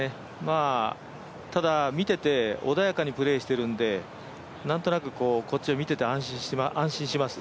ただ、見てて穏やかにプレーしてるんで、なんとなくこっちも見てて安心します。